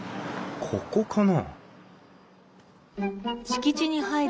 ここかな？